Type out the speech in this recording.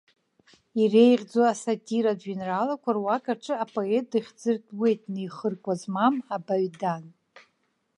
Иреиӷьӡоу асатиратә жәеинраалақәа руак аҿы апоет дыхьӡыртәуеит неихыркәа змам абаҩдан.